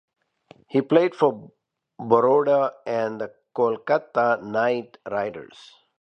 He played for Baroda and the Kolkata Knight Riders.